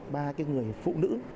ba cái người phụ nữ